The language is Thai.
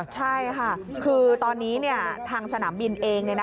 ใช่ค่ะคือตอนนี้ทางสนามบินเอง